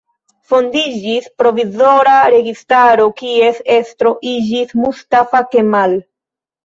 Fondiĝis provizora registaro, kies estro iĝis Mustafa Kemal.